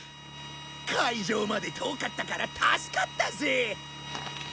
会場まで遠かったから助かったぜ！